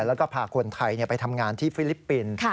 แล้วก็พาคนไทยไปทำงานที่ฟิลิปปินส์